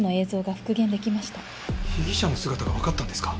被疑者の姿がわかったんですか？